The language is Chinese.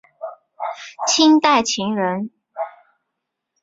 清代琴人。